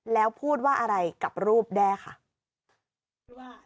แล้วพูดว่าอะไรกับรูปแด้ค่ะ